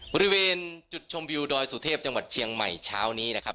บริเวณจุดชมวิวดอยสุเทพจังหวัดเชียงใหม่เช้านี้นะครับ